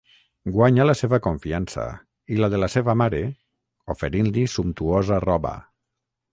Guanya la seva confiança, i la de la seva mare, oferint-li sumptuosa roba.